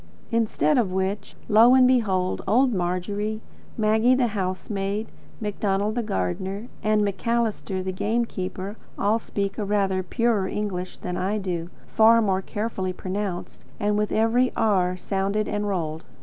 Instead of which, lo! and behold, old Margery, Maggie the housemaid, Macdonald the gardener, and Macalister the game keeper, all speak a rather purer English than I do; far more carefully pronounced, and with every R sounded and rolled.